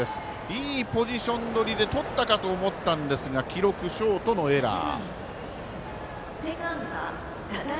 いいポジションどりでとったかと思ったんですが記録ショートのエラー。